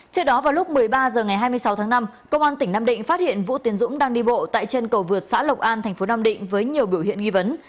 trước đó vào lúc một mươi ba h ngày hai mươi sáu tháng năm công an tỉnh nam định phát hiện vũ tiến dũng đang đi bộ tại chân cầu vượt xã lộc an tp nam định với nhiều biểu hiện nghi vấn